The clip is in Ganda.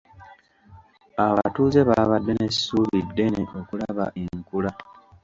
Abatuuze baabadde n'essuubi ddene okulaba enkula.